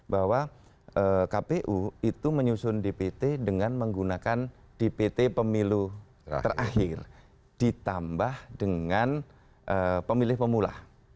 bahwa kpu itu menyusun dpt dengan menggunakan dpt pemilu terakhir ditambah dengan pemilih pemula